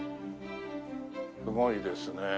すごいですねえ